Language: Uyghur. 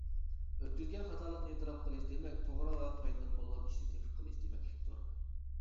ئۆتكۈزگەن خاتالىقنى ئېتىراپ قىلىش دېمەك توغرا ۋە پايدىلىق بولغان ئىشنى تېپىپ قىلىش دېمەكلىكتۇر.